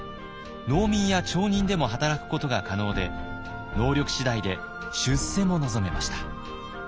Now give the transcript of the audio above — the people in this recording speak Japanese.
農民や町人でも働くことが可能で能力次第で出世も望めました。